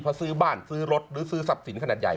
เพราะซื้อบ้านซื้อรถหรือซื้อทรัพย์สินขนาดใหญ่